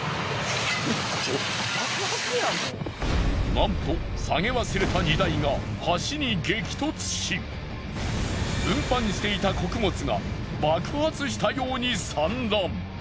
なんと下げ忘れた運搬していた穀物が爆発したように散乱。